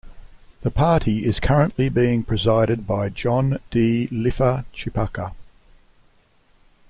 The party is currently being presided by John D. Lifa Chipaka.